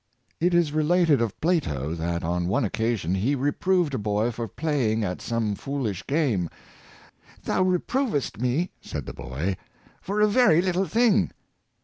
It is related of Plato, that on one occasion he re proved a boy for playing at some foolish game. ^'Thou reprovest me," said the boy, '' for a very little thing."